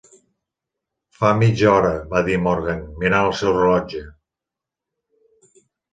"Fa mitja hora", va dir Morgan, mirant el seu rellotge.